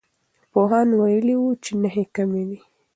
پوهاند ویلي وو چې نښې کمي دي.